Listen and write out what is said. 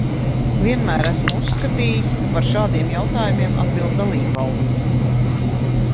Vienmēr esmu uzskatījis, ka par šādiem jautājumiem atbild dalībvalstis.